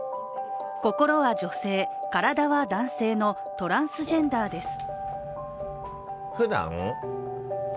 心は女性、体は男性のトランスジェンダーです。